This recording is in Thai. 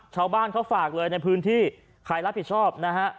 ชาวบ้านเขาฝากเลยในพื้นที่ใครรับผิดชอบนะฮะ